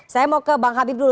saya mau ke bang habib dulu